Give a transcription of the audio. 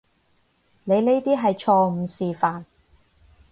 你呢啲係錯誤示範